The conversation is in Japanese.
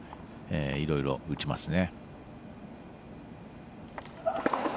いろいろ打ちますね。